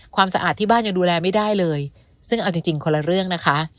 ความสะอาดที่บ้านยังดูแลไม่ได้เลยซึ่งเอาจริงคนละเรื่องนะคะ